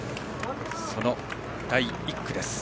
その第１区です。